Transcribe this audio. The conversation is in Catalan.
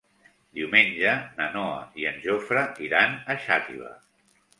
Diumenge na Noa i en Jofre iran a Xàtiva.